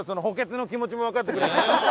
補欠の気持ちもわかってくれる。